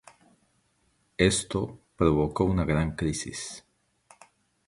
Esto provocó una gran crisis.